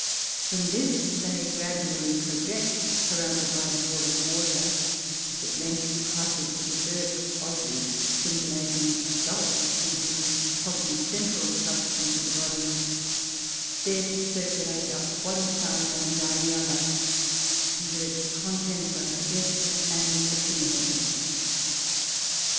From this they gradually project, surrounded by a ball of water, which at length passes with a jerk, oddly simulating a gulp, into the pulpy central substance of the body, there to circulate up one side and down the other, until its contents are digested and assimilated.